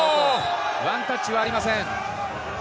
ワンタッチはありません。